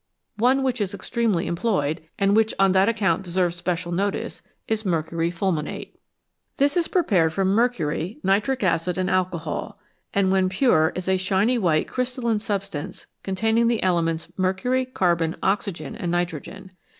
One which is extensively employed, and which on that account deserves special notice, is mercury fulminate. This is prepared from mercury, nitric acid, and alcohol, and when pure is a shiny white, crystalline substance con taining the elements mercury, carbon, oxygen, and nitro gen.